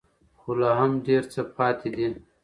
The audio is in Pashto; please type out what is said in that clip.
خو لا هم ډېر څه پاتې دي.